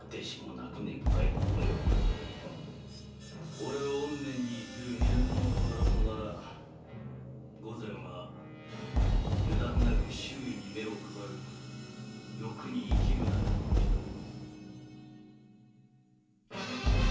オレをおん念に生きる未練者と笑うなら御前は油断なく周囲に目を配る欲に生きるだけのお人よ。